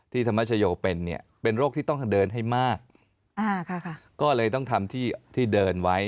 ธรรมชโยเป็นเนี่ยเป็นโรคที่ต้องเดินให้มากก็เลยต้องทำที่ที่เดินไว้